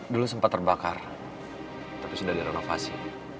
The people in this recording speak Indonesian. dulu sempat terbakar tapi sudah direnovasi